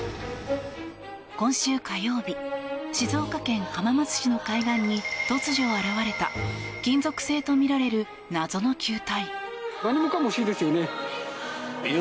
今週火曜日静岡県浜松市の海岸に突如現れた金属製とみられる謎の球体。